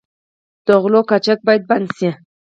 د غلو قاچاق باید بند شي.